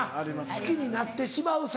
好きになってしまう皿。